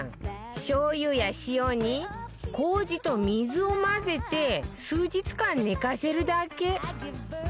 しょう油や塩に麹と水を混ぜて数日間寝かせるだけ